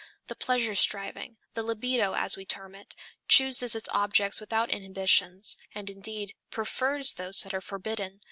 The pleasure striving the libido, as we term it chooses its objects without inhibitions, and indeed, prefers those that are forbidden.